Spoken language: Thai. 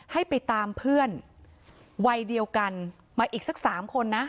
ให้ไปตามเพื่อนวัยเดียวกันมาอีกสัก๓คนนะ